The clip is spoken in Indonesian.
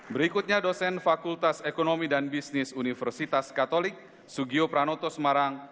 berikutnya dosen fakultas ekonomi dan bisnis universitas katolik sugio pranoto semarang